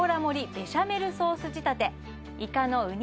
ベシャメルソース仕立ていかのうに